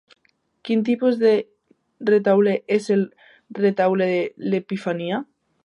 Quin tipus de retaule és El Retaule de l'Epifania?